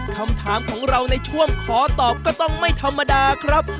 คำถามของเราในช่วงขอตอบก็ต้องไม่ธรรมดาครับ